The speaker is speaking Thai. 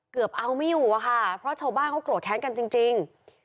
เกือบเอาไม่อยู่อะค่ะเพราะชาวบ้านเขาโกรธแค้นกันจริง